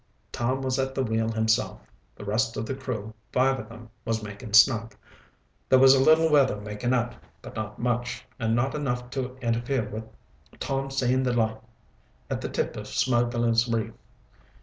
Tom was at the wheel himself. The rest of the crew, five of them, was making snug. There was a little weather making up, but not much, and not enough to interfere with Tom seeing the light at the tip of Smugglers' Reef.